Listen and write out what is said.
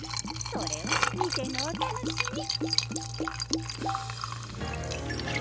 それは見てのお楽しみ